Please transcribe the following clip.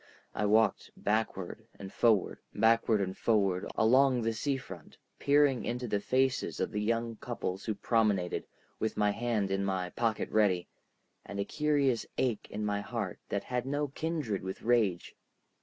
I walked backward and forward, backward and forward, along the sea front, peering into the faces of the young couples who promenaded, with my hand in my pocket ready, and a curious ache in my heart that had no kindred with rage.